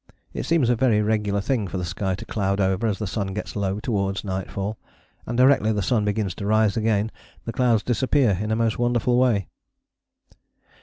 It seems a very regular thing for the sky to cloud over as the sun gets low towards nightfall and directly the sun begins to rise again the clouds disappear in a most wonderful way.